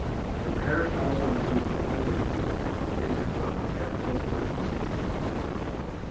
The parish also includes the villages of Digswell and Oaklands.